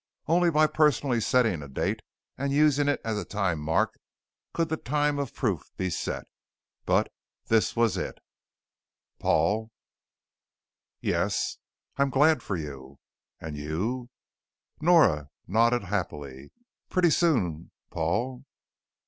Only by personally setting a date and using it as the time mark could the time of proof be set. But this was it. "Paul." "Yes?" "I'm glad for you." "And you?" Nora nodded happily. "Pretty soon, Paul?"